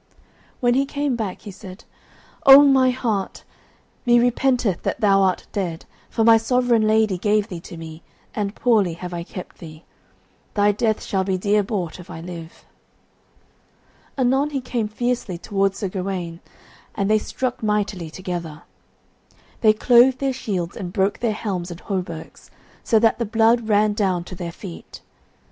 When he came back he said, "O my white hart, me repenteth that thou art dead, for my sovereign lady gave thee to me, and poorly have I kept thee. Thy death shall be dear bought, if I live." Anon he came fiercely towards Sir Gawaine, and they struck mightily together. They clove their shields and broke their helms and hauberks so that the blood ran down to their feet.